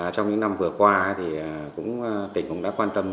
trong những năm vừa qua tỉnh cũng đã quan tâm